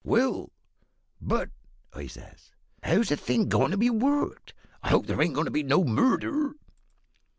"`Well, but,' I says, `how's the thing goin' to be worked? I hope there ain't goin' to be no murder!'